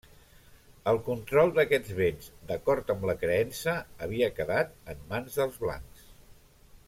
El control d'aquests béns, d'acord amb la creença, havia quedat en mans dels blancs.